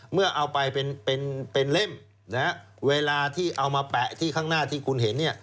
เมื่อเอาไปเป็นเล่มเวลาที่เอามาแปะที่ข้างหน้าที่คุณเห็น